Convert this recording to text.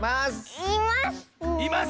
います。